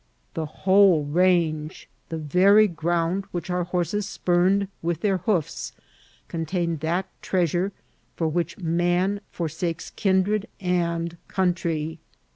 The whole range, the very ground which our horses spurned with their hoofs, contained that treasure for which man forsakes kindred and country.